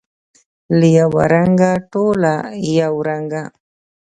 له یوه رنګه، ټوله یو رنګه